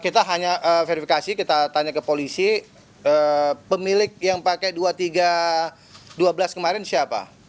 kita hanya verifikasi kita tanya ke polisi pemilik yang pakai dua tiga dua belas kemarin siapa